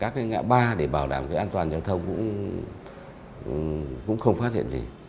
các cái ngã ba để bảo đảm cái an toàn giao thông cũng không phát hiện gì